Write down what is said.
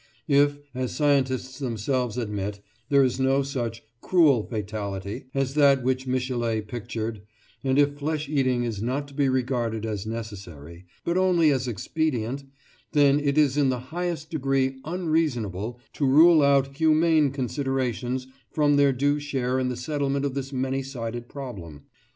If, as the scientists themselves admit, there is no such "cruel fatality" as that which Michelet pictured, and if flesh eating is not to be regarded as necessary, but only as expedient, then it is in the highest degree unreasonable to rule out humane considerations from their due share in the settlement of this many sided problem.